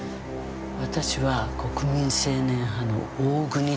私は国民青年派の大國塔子だ。